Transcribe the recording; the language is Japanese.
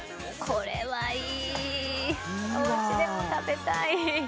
これはいいいいわおうちでも食べたい